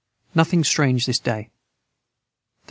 Nothing Strange this day. the 13.